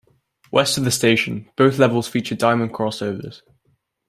West of the station, both levels feature diamond crossovers.